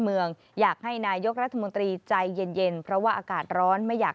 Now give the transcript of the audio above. เมืองอยากให้นายกรัฐมนตรีใจเย็นเย็นเพราะว่าอากาศร้อนไม่อยาก